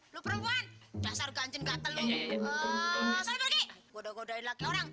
lu perempuan dasar ganjin gatel